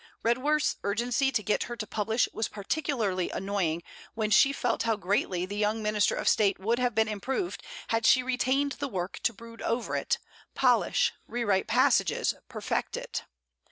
Redworth's urgency to get her to publish was particularly annoying when she felt how greatly THE YOUNG MINISTER OF STATE would have been improved had she retained the work to brood over it, polish, re write passages, perfect it.